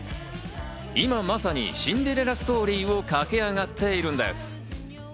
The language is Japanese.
今まさに、シンデレラストーリーを駆け上がっているんです。